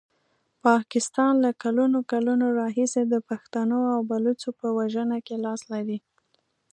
پاکستان له کلونو کلونو راهیسي د پښتنو او بلوڅو په وژنه کې لاس لري.